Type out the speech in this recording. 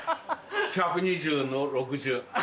１２０の６０。